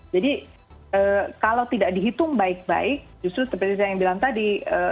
jadi kalau tidak dihitung baik baik justru seperti yang saya bilang tadi